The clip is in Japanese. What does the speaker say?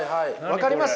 分かります？